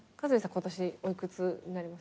今年お幾つになります？